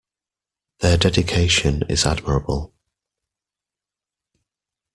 Their dedication is admirable.